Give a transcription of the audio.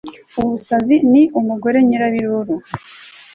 ubusazi ni umugore nyirabiruru